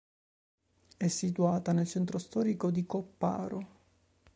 È situata nel centro storico di Copparo.